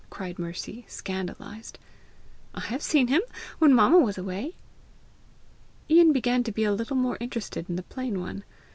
cried Mercy, scandalized. "I have seen him when mamma was away." Ian began to be a little more interested in the plain one.